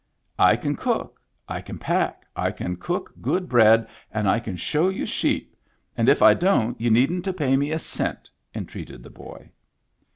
" I can cook, I can pack, I can cook good bread, and I can show you sheep, and if I don't you needn't to pay me a cent," entreated the boy.